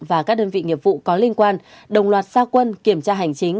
và các đơn vị nghiệp vụ có liên quan đồng loạt xa quân kiểm tra hành chính